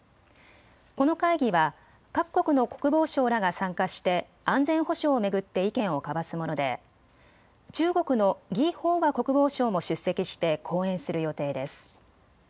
この会議は各国の国防相らが参加して安全保障を巡って意見を交わすもので中国の魏鳳和国防相も出席して講演する予定です。